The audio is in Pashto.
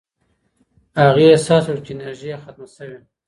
هغې احساس وکړ چې انرژي یې ختمه شوې.